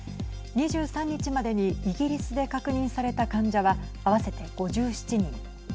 ２３日までにイギリスで確認された患者は合わせて５７人。